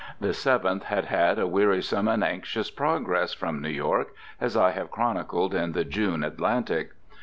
The Seventh had had a wearisome and anxious progress from New York, as I have chronicled in the June "Atlantic."